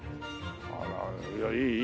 あらいいいいよ。